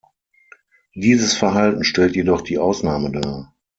Dieses Verhalten stellt jedoch die Ausnahme dar.